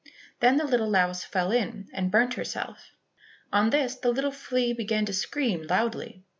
Then the little louse fell in and burnt herself. On this the little flea began to scream loudly.